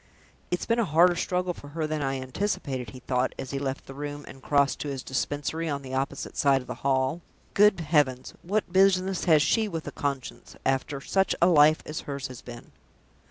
"It's been a harder struggle for her than I anticipated," he thought, as he left the room, and crossed to his Dispensary on the opposite side of the hall. "Good heavens, what business has she with a conscience, after such a life as hers has been!"